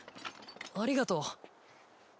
ありがとう。